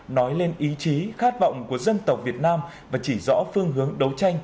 nói lên ý chí khát vọng của dân tộc việt nam và chỉ rõ phương hướng đấu tranh